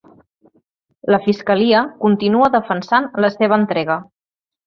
La fiscalia continua defensant la seva entrega.